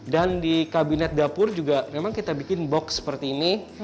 dan di kabinet dapur juga memang kita bikin box seperti ini